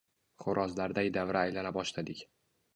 Xoʻrozlarday davra aylana boshladik.